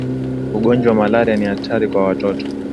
ugonjwa malaria ni hatari kwa watoto